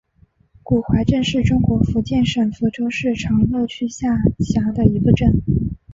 古槐镇是中国福建省福州市长乐区下辖的一个镇。